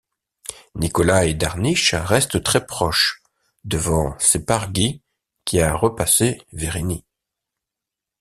Nicolas et Darniche restent très proches, devant Serpaggi qui a repassé Verini.